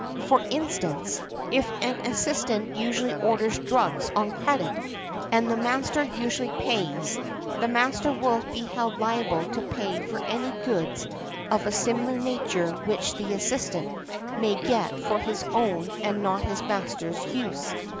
For instance, if an assistant usually orders drugs |194| on credit, and the master usually pays, the master will be held liable to pay for any goods of a similar nature which the assistant may get for his own and not his master's use .